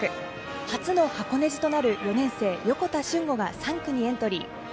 初の箱根路となる４年生、横田俊吾が３区にエントリー。